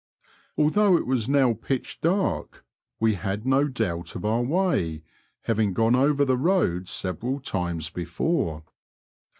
Although ic was now pitch dark, we had no doubt of our way, having gone over the road several times before.